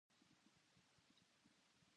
優しくなった僕を更に越えて